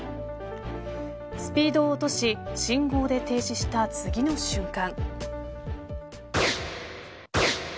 スピードを落とし信号で停止した次の瞬間。